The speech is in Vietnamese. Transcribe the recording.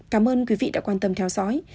cảm ơn quý vị đã quan tâm theo dõi